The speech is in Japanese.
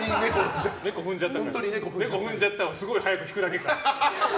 「猫ふんじゃった」をすごい早く弾くだけ。